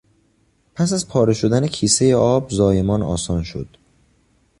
پس از پاره شدن کیسهی آب، زایمان آسان شد.